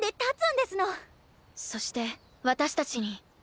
そして私たちに。